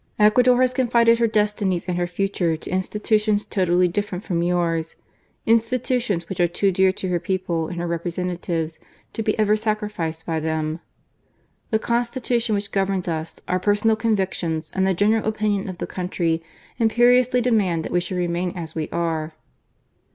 Ecuador has confided her destinies and her future to institutions totally different from yours — institutions which are too dear to her people and her representatives to be ever sacrificed by them. The Constitution which governs us, our personal convictions and the general opinion of the country, imperiously demand that we should remain as we are."